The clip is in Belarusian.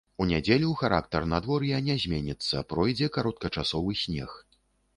У нядзелю характар надвор'я не зменіцца, пройдзе кароткачасовы снег.